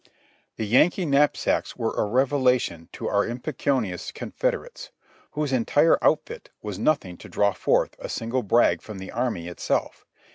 The Yankee knapsacks were a revelation to our impecunious Confederates, whose entire outfit was nothing to draw forth a single brag from the army itself.